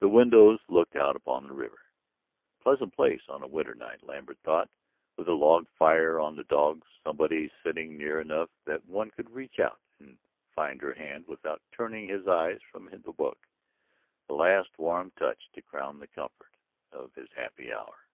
The windows looked out upon the river. A pleasant place on a winter night, Lambert thought, with a log fire on the dogs, somebody sitting near enough that one could reach out and find her hand without turning his eyes from the book, the last warm touch to crown the comfort of his happy hour.